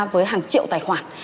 với hàng triệu tài khoản